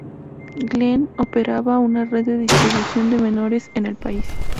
Glen operaba una red de prostitución de menores en el país.